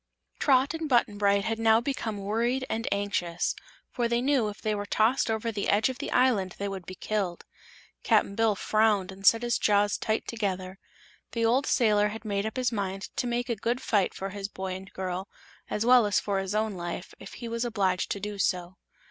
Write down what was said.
Trot and Button Bright had now become worried and anxious, for they knew if they were tossed over the edge of the island they would be killed. Cap'n Bill frowned and set his jaws tight together. The old sailor had made up his mind to make a good fight for his boy and girl, as well as for his own life, if he was obliged to do so.